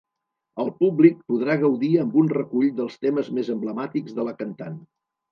El públic podrà gaudir amb un recull dels temes més emblemàtics de la cantant.